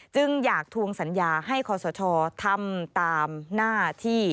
จึงอยากทวงสัญญาให้คอสชทำตามหน้าที่